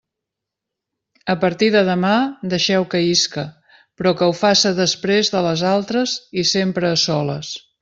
A partir de demà deixeu que isca, però que ho faça després de les altres i sempre a soles.